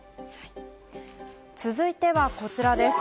続いてはこちらです。